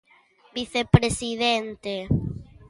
Vicepresidente.